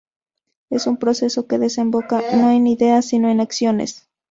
Es un proceso que desemboca no en ideas, sino en acciones.